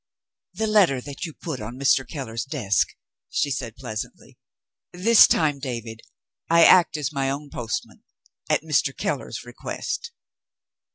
"The letter that you put on Mr. Keller's desk," she said pleasantly. "This time, David, I act as my own postman at Mr. Keller's request."